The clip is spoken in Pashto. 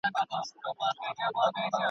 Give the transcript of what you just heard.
ملګرو داسي وخت به راسي چي یاران به نه وي.